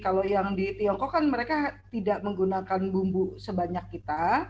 kalau yang di tiongkok kan mereka tidak menggunakan bumbu sebanyak kita